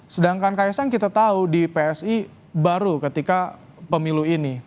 sedangkan kaisang kita tahu di psi baru ketika pemilu ini